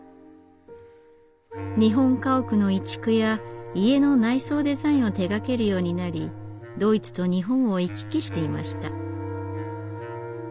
日本家屋の移築や家の内装デザインを手がけるようになりドイツと日本を行き来していました。